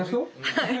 はい。